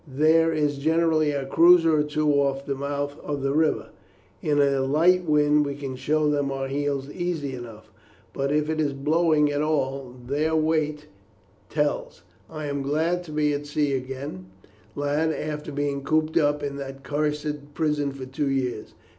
There is generally a cruiser or two off the mouth of the river. In a light wind we can show them our heels easily enough, but if it is blowing at all their weight tells. I am glad to be at sea again, lad, after being cooped up in that cursed prison for two years.